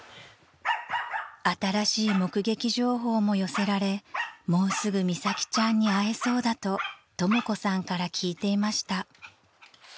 ［新しい目撃情報も寄せられもうすぐ美咲ちゃんに会えそうだととも子さんから聞いていました］